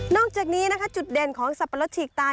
จากนี้นะคะจุดเด่นของสับปะรดฉีกตา